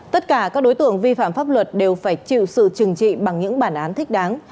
tất cả các đối tượng vi phạm pháp luật đều phải chịu sự trừng trị bằng những bản án thích đáng